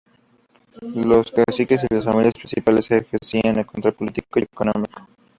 Los caciques y las familias principales ejercían el control político y económico.